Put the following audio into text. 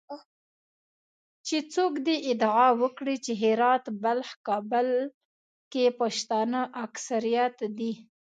چې څوک دې ادعا وکړي چې هرات، بلخ، کابل کې پښتانه اکثریت دي